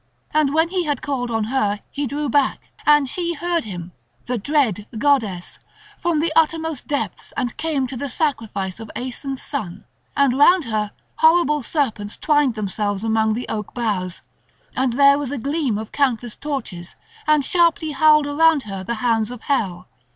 And when he had called on her he drew back; and she heard him, the dread goddess, from the uttermost depths and came to the sacrifice of Aeson's son; and round her horrible serpents twined themselves among the oak boughs; and there was a gleam of countless torches; and sharply howled around her the hounds of hell.